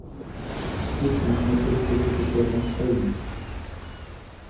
Тик мине эскесе тип яҙмаҫҡа ине.